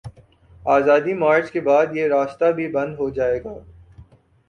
آزادی مارچ کے بعد، یہ راستہ بھی بند ہو جائے گا۔